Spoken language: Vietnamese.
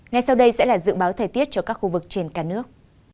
ngay sau đây sẽ là dự báo thời tiết cho các khu vực trên cả nước